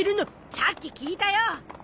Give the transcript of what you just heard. さっき聞いたよ！